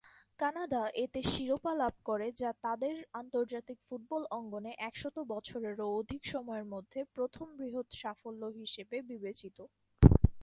Canada এতে শিরোপা লাভ করে যা তাদের আন্তর্জাতিক ফুটবল অঙ্গনে একশত বছরেরও অধিক সময়ের মধ্যে প্রথম বৃহৎ সাফল্য হিসেবে বিবেচিত।